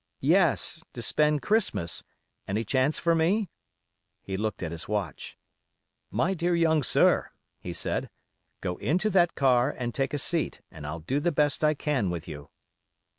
'Yes, to spend Christmas; any chance for me?' He looked at his watch. 'My dear young sir,' he said, 'go into the car and take a seat, and I'll do the best I can with you.